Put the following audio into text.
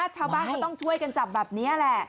ชาวบ้านเขาต้องช่วยกันจับแบบนี้แหละ